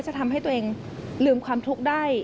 จะทำให้ตัวเองลืมความทุกข์ได้